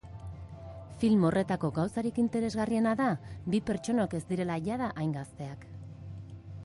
Film horretako gauzarik interesgarriena da bi pertsonok ez direla jada hain gazteak.